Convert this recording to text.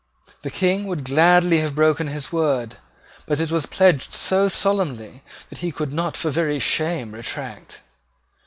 The King would gladly have broken his word; but it was pledged so solemnly that he could not for very shame retract.